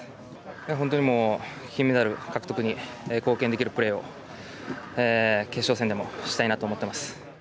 本当に金メダル獲得に貢献できるプレーを決勝戦でもしたいなと思っています。